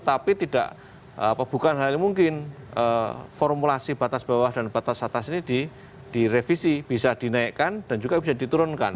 tapi tidak apa bukan hal ini mungkin formulasi batas bawah dan batas atas ini direvisi bisa dinaikkan dan juga bisa diturunkan